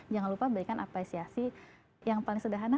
jangan lupa berikan apresiasi yang paling sederhana